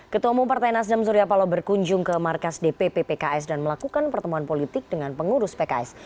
ketua umum partai nasdem surya paloh berkunjung ke markas dpp pks dan melakukan pertemuan politik dengan pengurus pks